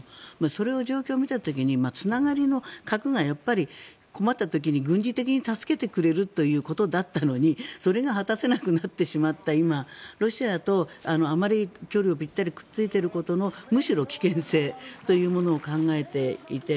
それを状況を見た時につながりの核が困った時に軍事的に助けてくれるということだったのにそれが果たせなくなってしまった今ロシアとあまり距離をぴったりくっついていることのむしろ危険性というものを考えていて。